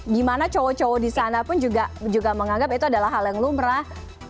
gimana cowok cowok di sana pun juga menganggap itu adalah hal yang lumrah